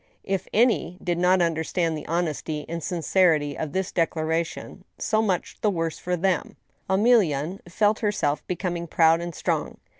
If any did not understand the honesty and sincerity of this declaration, so much the worse for them I Emilienne felt herself becoming proud and strong.